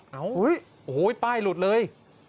ข้าวฮูยระหว่ยป้ายหลุดเลย